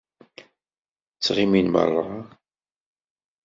Ttɣennin meṛṛa.